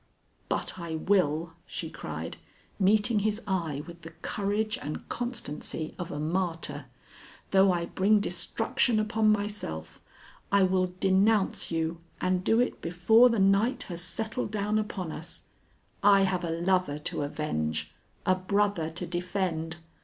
"But I will," she cried, meeting his eye with the courage and constancy of a martyr, "though I bring destruction upon myself. I will denounce you and do it before the night has settled down upon us. I have a lover to avenge, a brother to defend.